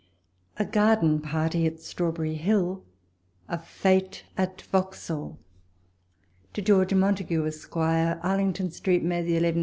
A GABDEN PAIfTY AT STBAWBEIiRY HILL— A FETE AT VAUXHALL. To George Montagu, Esq. Arlington Street, May 11, 1769.